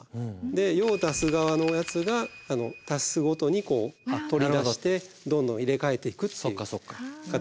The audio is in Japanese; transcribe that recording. で用を足す側のやつが足すごとに取り出してどんどん入れ替えていくっていう形になります。